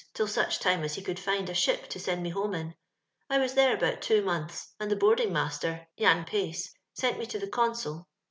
till eiioh time M he eonld find a ship to eend me brane in. I was there ebout two months, end the board iag maater, Jan Pace, sent me to the eoDsal.